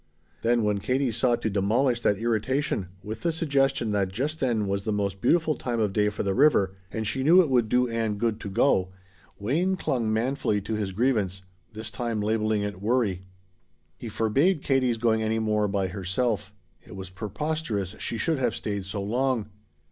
Then when Katie sought to demolish that irritation with the suggestion that just then was the most beautiful time of day for the river and she knew it would do Ann good to go Wayne clung manfully to his grievance, this time labeling it worry. He forbade Katie's going any more by herself. It was preposterous she should have stayed so long.